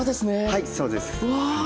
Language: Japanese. はいそうです。うわ。